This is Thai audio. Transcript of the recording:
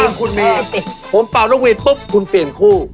ถ้าคุณมีผมเป่าต้องมีปุ๊บคุณเปลี่ยนคู่